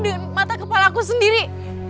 di mata kepala aku sendiri